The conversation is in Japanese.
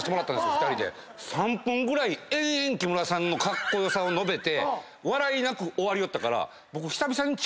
３分ぐらい延々木村さんのカッコ良さを述べて笑いなく終わりよったから僕久々に。